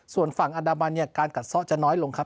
ส่วนฝั่งอัฐบาลการกัดซ่อจะน้อยลงครับ